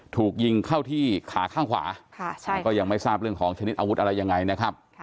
ถูกยิงเข้าที่ขาข้างขวาก็ยังไม่ทราบเรื่องของชนิดอาวุธอะไรยังไงนะครับ